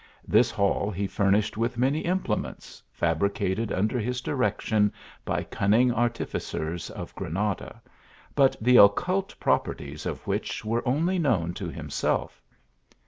This hall he furnished with many imple ments, fabricated under his direction by cunning artificers of Granada, but the occult properties of which were only known to himself.